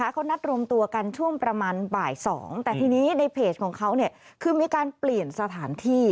เขานัดรวมตัวกันช่วงประมาณบ่าย๒แต่ทีนี้ในเพจของเขาคือมีการเปลี่ยนสถานที่